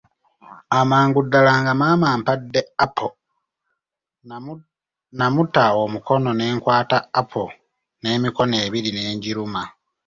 Amangu ddala nga maama ampadde apo, namuta omukono ne nkwata apo n'emikono ebiri ne ngiruma.